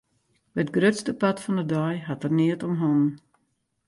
It grutste part fan de dei hat er neat om hannen.